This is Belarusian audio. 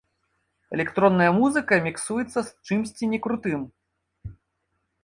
Электронная музыка міксуецца з чымсьці некрутым!